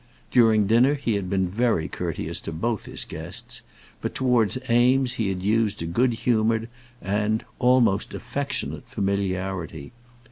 During dinner he had been very courteous to both his guests, but towards Eames he had used a good humoured and almost affectionate familiarity.